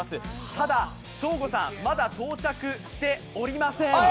ただ、ショーゴさん、まだ到着しておりません。